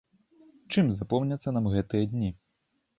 Чым запомняцца нам гэтыя дні?